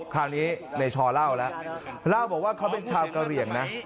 คราวนี้ในชอเล่าแล้วเล่าบอกว่าเขาเป็นชาวกะเหลี่ยงนะ